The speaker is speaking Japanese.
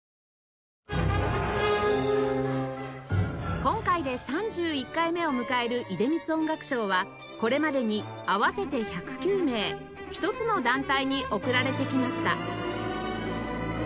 今回で３１回目を迎える出光音楽賞はこれまでに合わせて１０９名１つの団体に贈られてきました